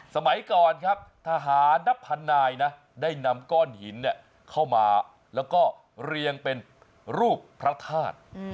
สมัยก่อนครับทหารนับพันนายนะได้นำก้อนหินเข้ามาแล้วก็เรียงเป็นรูปพระธาตุ